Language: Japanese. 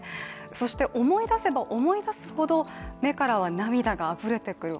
そして思い出せば思い出すほど目からは涙があふれてくる。